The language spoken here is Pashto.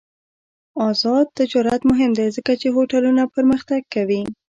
آزاد تجارت مهم دی ځکه چې هوټلونه پرمختګ کوي.